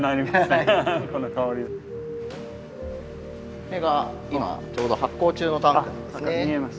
これが今ちょうど発酵中のタンクなんですね。